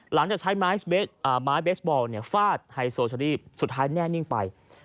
หลังจากใช้ไม้เบสบอลฟาดไฮโซเชอรี่สุดท้ายแน่นิ่งไป